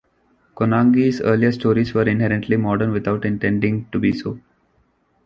Konangi's earlier stories were inherently modern without intending to be so.